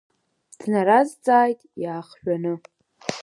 Днаразҵааит иаахжәаны.